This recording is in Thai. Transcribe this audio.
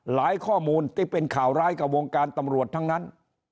ข้อมูลที่เป็นข่าวร้ายกับวงการตำรวจทั้งนั้น